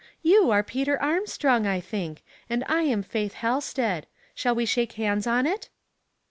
" You are Peter Armstrong, I think, and I am Faith Halsted. Shall we shake hands on it